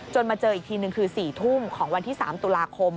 มาเจออีกทีนึงคือ๔ทุ่มของวันที่๓ตุลาคม